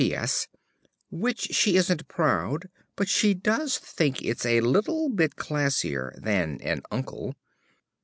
~ P. S. Which she isn't proud, but does think it's a little bit classier than an uncle.